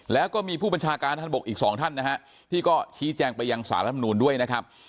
แล้วก็มีผู้บัญชาการทหารบกอีกสองท่านนะฮะที่ก็ชี้แจงไปยังสารรัฐมนูลด้วยนะครับ